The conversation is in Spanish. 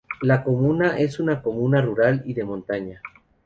La comuna es una comuna rural y de montaña.